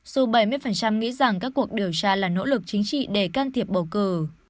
nói rằng các cuộc điều tra là nỗ lực chính trị để can thiệp bầu cử